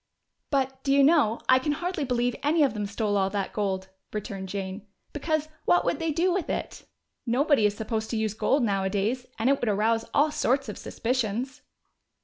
"But, do you know, I can hardly believe any of them stole all that gold," returned Jane. "Because, what would they do with it? Nobody is supposed to use gold nowadays, and it would arouse all sorts of suspicions."